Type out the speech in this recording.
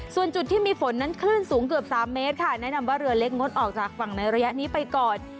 ส่วนจุดที่มีฝนนั้นคลื่นสูงเกือบ๓เมตรค่ะแนะนำว่าเรือเล็กงดออกจากฝั่งในระยะนี้ไปก่อน